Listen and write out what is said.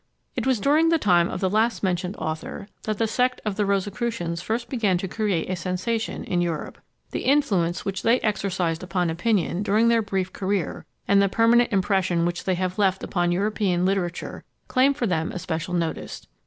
It was during the time of the last mentioned author that the sect of the Rosicrucians first began to create a sensation in Europe. The influence which they exercised upon opinion during their brief career, and the permanent impression which they have left upon European literature, claim for them especial notice.